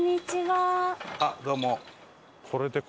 あっどうも。